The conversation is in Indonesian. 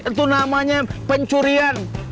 itu namanya pencurian